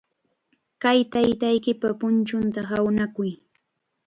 Kay taytaykipa punchunta hawnakuy.